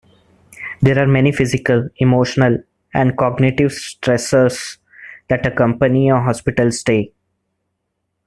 There are many physical, emotional, and cognitive stressors that accompany a hospital stay.